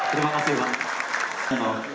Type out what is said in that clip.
terima kasih pak